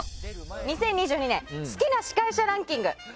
２０２２年好きな司会者ランキング。